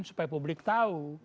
supaya publik tahu